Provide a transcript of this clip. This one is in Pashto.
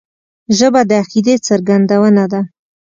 ژبه د عقیدې څرګندونه ده